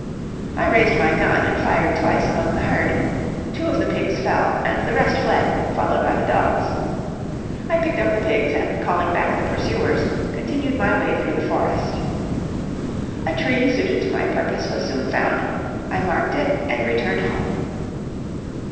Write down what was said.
I raised my gun and fired twice among the herd; two of the pigs fell, and the rest fled, followed by the dogs. I picked up the pigs, and calling back the pursuers, continued my way through the forest. A tree suited to my purpose was soon found; I marked it and returned home.